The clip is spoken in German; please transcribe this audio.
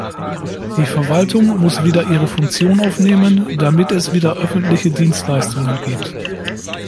Die Verwaltung muss wieder ihre Funktion aufnehmen, damit es wieder öffentliche Dienstleistungen gibt.